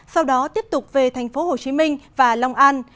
sau đó tiếp tục về tp hcm và long an